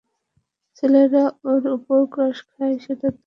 ছেলেরা ওর ওপর ক্রাশ খায় - সেটা তো আর তার দোষ না।